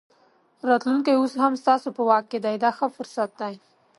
راتلونکی اوس هم ستاسو په واک دی دا ښه فرصت دی.